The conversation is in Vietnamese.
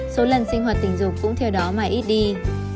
số lần sinh hoạt tình dục cũng theo đó mà ít đi